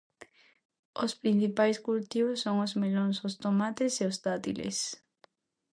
Os principais cultivos son os melóns, os tomates e os dátiles.